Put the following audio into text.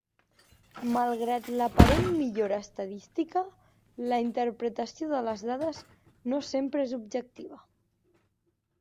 Malgrat l'aparent millora estadística, la interpretació de les dades no sempre és objectiva.